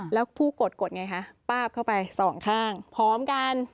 แล้วผู้กดกดไงคะป้าบเข้าไปสองข้างพร้อมกัน